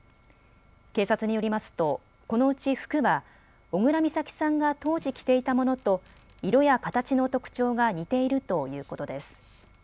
警察によりますと、このうち服は小倉美咲さんが当時着ていたものと色や形の特徴が似ているということです。